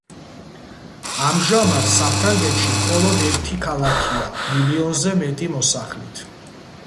ამჟამად საფრანგეთში მხოლოდ ერთი ქალაქია მილიონზე მეტი მოსახლით.